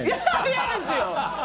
嫌ですよ！